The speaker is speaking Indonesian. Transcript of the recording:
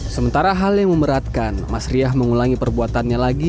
sementara hal yang memberatkan mas riah mengulangi perbuatannya lagi